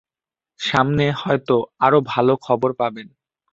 সামনে হয়তো আরও ভালো খবর পাবেন।